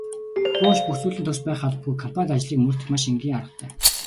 Буш бүх зүйл нь төгс байх албагүй компанит ажлыг мөрдөх маш энгийн аргатай.